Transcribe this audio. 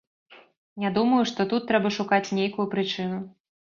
Не думаю, што тут трэба шукаць нейкую прычыну.